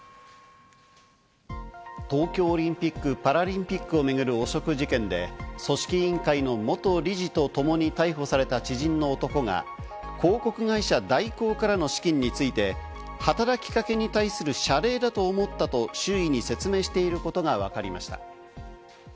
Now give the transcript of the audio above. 東京オリンピック・パラリンピックを巡る汚職事件で、組織委員会の元理事とともに逮捕された知人の男が広告会社・大広からの資金について、働きかけに対する謝礼だと思ったと周囲に説明していることがわかりました。